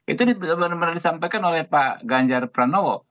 itu benar benar disampaikan oleh pak ganjar pranowo